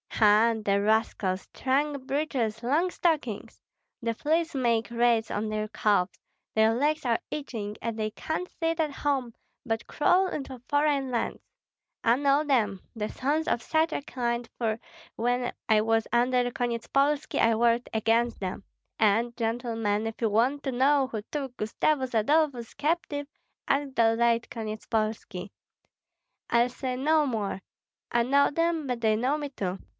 Ha! the rascals, trunk breeches, long stockings! The fleas make raids on their calves, their legs are itching, and they can't sit at home, but crawl into foreign lands. I know them, the sons of such a kind, for when I was under Konyetspolski I worked against them; and, gentlemen, if you want to know who took Gustavus Adolphus captive, ask the late Konyetspolski. I'll say no more! I know them, but they know me too.